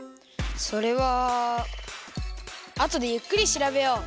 それはあとでゆっくりしらべよう。